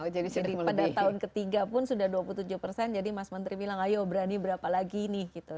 jadi pada tahun ketiga pun sudah dua puluh tujuh persen jadi mas menteri bilang ayo berani berapa lagi nih gitu